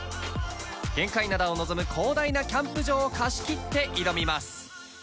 玄界灘を臨む広大なキャンプ場を貸し切って挑みます！